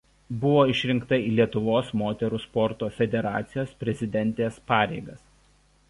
Buvo išrinkta į Lietuvos moterų sporto federacijos prezidentės pareigas.